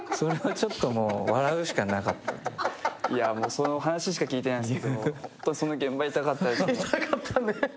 その話しか聞いてないんですけど、本当にその現場にいたかった。